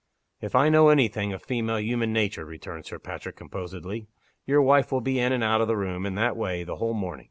"If I know any thing of female human nature," returned Sir Patrick, composedly, "your wife will be in and out of the room, in that way, the whole morning.